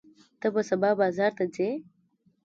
ته به سبا بازار ته ځې؟